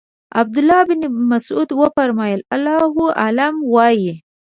عبدالله ابن مسعود وفرمایل الله اعلم وایئ.